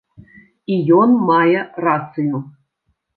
І ён мае рацыю.